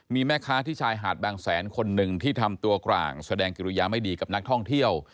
มีแม่ค้าที่ชายหาดบางแสนคนหนึ่งที่ทำตัวกลางแสดงกิริยาไม่ดีกับนักท่องเที่ยว